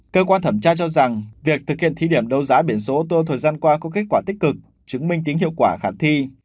cơ quan thẩm tra cho rằng việc thực hiện thí điểm đấu giá biển số ô tô thời gian qua có kết quả tích cực chứng minh tính hiệu quả khả thi